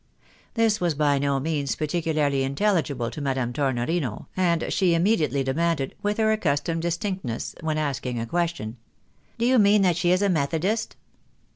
This was by no means particularly intelligible to Madame Tor uorino, and she immediately demanded, with her accustomed dis tinctness, when asking a question —" Do you mean that she is a Methodist